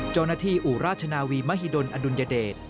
จอณฑีอุราชนาวีมหิดลอดุลยเดช